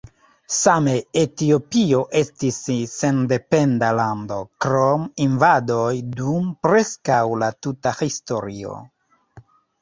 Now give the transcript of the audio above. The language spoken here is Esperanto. Same Etiopio estis sendependa lando krom invadoj dum preskaŭ la tuta historio.